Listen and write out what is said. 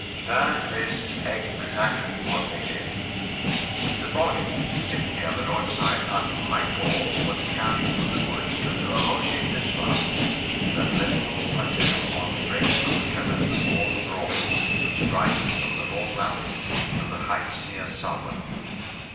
That is exactly what they did. The body, hidden near the roadside until nightfall, was carried through the woods to the rochers du soir, that little plateau on the brink of the tremendous wall of rock which rises from the Rhone valley to the heights near Salvan.